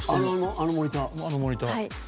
あのモニター。